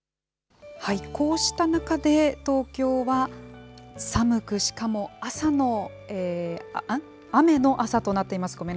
こうした中で、東京は寒く、しかも雨の朝となっています。